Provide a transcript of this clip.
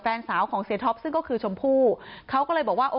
เพราะไม่มีเงินไปกินหรูอยู่สบายแบบสร้างภาพ